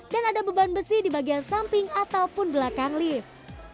dan ada beban besi di bagian samping ataupun belakang lift